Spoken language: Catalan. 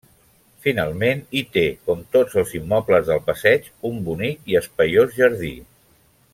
Finalment, hi té, com tots els immobles del passeig, un bonic i espaiós jardí.